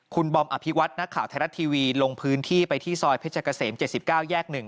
คุณบอมอภิวัตนักข่าวไทยรัฐทีวีลงพื้นที่ไปที่ซอยเพชรเกษม๗๙แยก๑